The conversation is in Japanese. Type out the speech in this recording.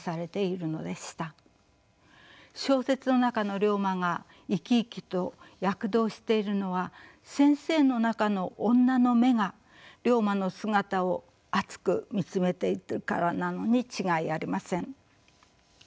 小説の中の竜馬が生き生きと躍動しているのは先生の中の女の眼が竜馬の姿を熱く見つめているからなのに違いありません。